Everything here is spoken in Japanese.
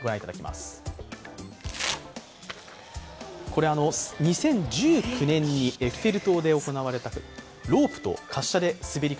これ２０１９年にエッフェル塔で行われたロープと滑車で滑り